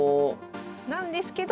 なんですけど。